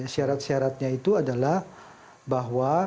syarat syaratnya itu adalah bahwa